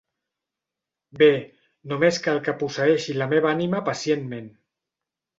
Bé, només cal que posseeixi la meva ànima pacientment.